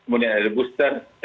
sebenarnya itu bukan booster kedua